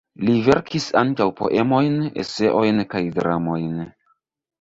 Li verkis ankaŭ poemojn, eseojn kaj dramojn.